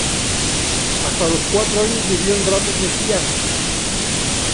Hasta los cuatro años vivió en Ramos Mejía.